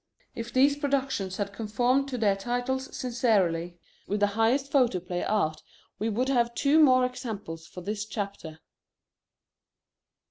If these productions had conformed to their titles sincerely, with the highest photoplay art we would have had two more examples for this chapter.